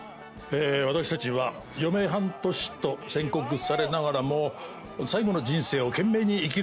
私たちは余命半年と宣告されながらも最後の人生を懸命に生き抜く